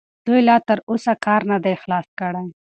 دوی لا تراوسه کار نه دی خلاص کړی.